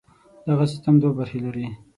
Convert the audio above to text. دغه سیستم دوې برخې لري.